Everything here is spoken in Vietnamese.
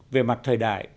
về mặt thời đại